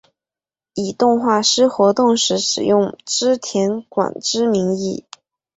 以动画师活动时使用织田广之名义。